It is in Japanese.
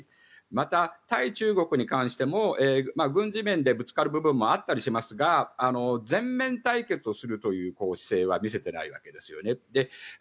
また、対中国に関しても軍事面でぶつかる部分もあったりしますが全面対決をするという姿勢は見せていないわけですよね。